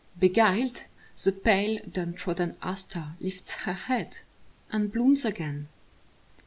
Beguiled, the pale down trodden aster lifts Her head and blooms again.